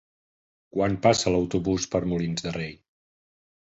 Quan passa l'autobús per Molins de Rei?